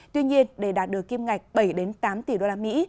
tuy nhiên để đạt được kim ngạch bảy tám tỷ usd